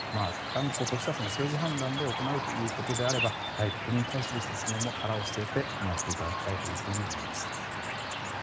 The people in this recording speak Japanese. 断固とした政治判断として行うということであれば国民への説明も腹を据えて行っていただきたいと思います。